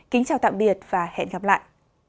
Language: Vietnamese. kính chào tạm biệt và hẹn gặp lại